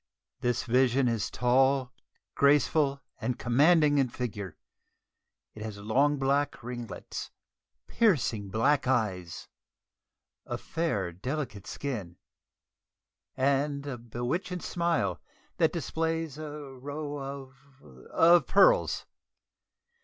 This vision is tall, graceful, and commanding in figure. It has long black ringlets, piercing black eyes, a fair delicate skin, and a bewitching smile that displays a row of of "pearls!"